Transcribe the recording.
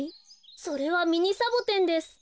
それはミニサボテンです。